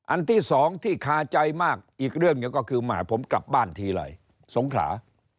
ที่สองที่คาใจมากอีกเรื่องหนึ่งก็คือแหมผมกลับบ้านทีไรสงขลา